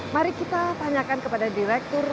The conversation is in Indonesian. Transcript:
mari kita tanyakan kepada direktur